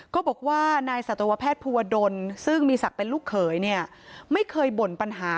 ก็บอกว่านายสัตวแพทย์ภูวดลซึ่งมีศักดิ์เป็นลูกเขยเนี่ยไม่เคยบ่นปัญหา